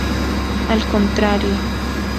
Al contrario.